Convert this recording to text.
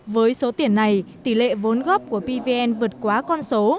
với số tiền này tỷ lệ vốn góp của pvn vượt quá con số